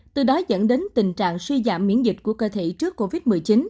từ đó dẫn đến tình trạng suy giảm miễn dịch của cơ thể trước covid một mươi chín